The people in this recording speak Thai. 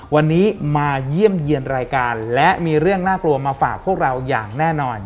วันนี้มาเยี่ยมเยี่ยมรายการและมีเรื่องน่ากลัวมาฝากพวกเราอย่างแน่นอน